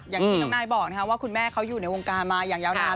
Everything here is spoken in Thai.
อย่างที่น้องนายบอกว่าคุณแม่เขาอยู่ในวงการมาอย่างยาวนาน